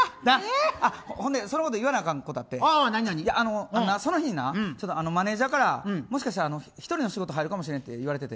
そんなことより言わなあかんことあってマネジャーからその日もしかしたら１人の仕事が入るかもしれんって言われていて。